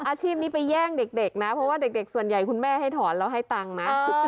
อาชีพนี้ไปแย่งเด็กนะเพราะว่าเด็กส่วนใหญ่คุณแม่ให้ถอนแล้วให้ตังค์นะ